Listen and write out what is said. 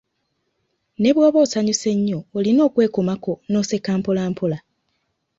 "Ne bw’oba osanyuse nnyo, olina okwekomako n'oseka mpolampola."